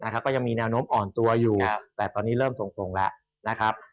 ก็ยังมีแนวโน้มอ่อนตัวอยู่แต่ตอนนี้เริ่มทรงแล้วนะครับ